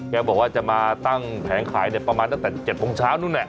บอกว่าจะมาตั้งแผงขายประมาณตั้งแต่๗โมงเช้านู่น